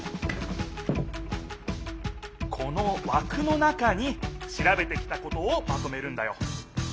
このわくの中にしらべてきたことをまとめるんだよ。